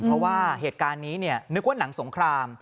เพราะว่าเหตุการณ์นี้นึกว่าหนังสงคราม